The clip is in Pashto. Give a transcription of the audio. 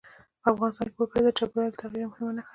په افغانستان کې وګړي د چاپېریال د تغیر یوه مهمه نښه ده.